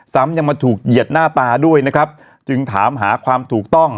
ซ้ำยังมาถูกเหยียดหน้าตาด้วยนะครับจึงถามหาความถูกต้อง